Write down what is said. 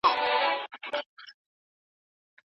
دوی یوازې د پیسو ټولولو فکر کوي.